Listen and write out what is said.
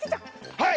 はい！